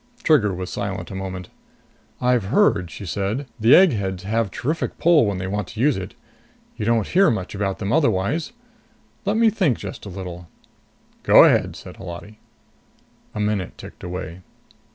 Trigger was silent a moment. "I've heard," she said, "the eggheads have terrific pull when they want to use it. You don't hear much about them otherwise. Let me think just a little." "Go ahead," said Holati. A minute ticked away.